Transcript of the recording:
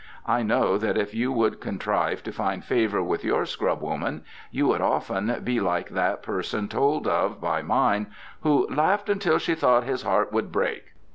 I know that if you would contrive to find favour with your scrubwoman you would often be like that person told of by mine who "laughed until she thought his heart would break."